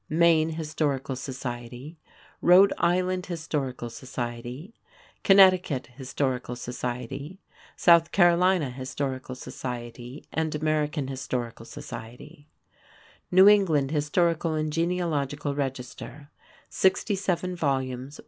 Maine Historical Society, Rhode Island Historical Society, Connecticut Historical Society, South Carolina Historical Society, and American Historical Society; New England Historical and Genealogical Register (67 vols.